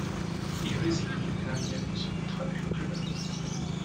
Il résilie à l'amiable son contrat avec le club allemand.